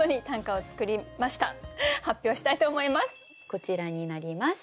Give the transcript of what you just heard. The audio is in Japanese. こちらになります。